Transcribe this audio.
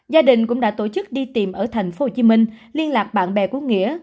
gia đình cũng đã tổ chức đi tìm ở tp hcm liên lạc bạn bè quốc nghĩa